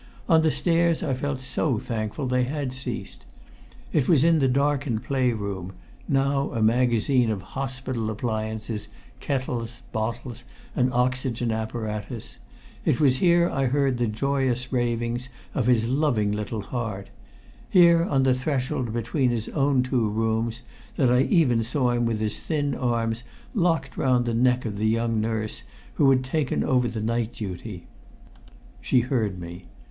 On the stairs I felt so thankful they had ceased; it was in the darkened play room, now a magazine of hospital appliances, kettles, bottles, and the oxygen apparatus; it was here I heard the joyous ravings of his loving little heart here, on the threshold between his own two rooms, that I even saw him with his thin arms locked round the neck of the young nurse who had taken over the night duty. [Illustration: His thin arms locked round the neck of the young nurse.] She heard me.